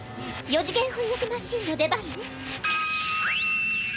４次元翻訳マシーンの出番ね。